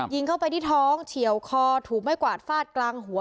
ยิงเข้าไปที่ท้องเฉียวคอถูกไม้กวาดฟาดกลางหัว